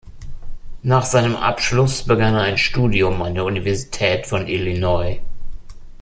Nach seinem Abschluss begann er ein Studium an der Universität von Illinois.